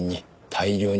大量に？